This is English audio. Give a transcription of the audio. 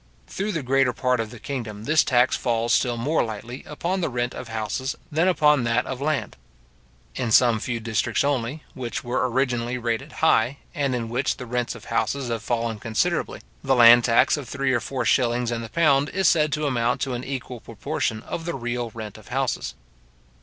Through the greater part of the kingdom this tax falls still more lightly upon the rent of houses than upon that of land. In some few districts only, which were originally rated high, and in which the rents of houses have fallen considerably, the land tax of three or four shillings in the pound is said to amount to an equal proportion of the real rent of houses.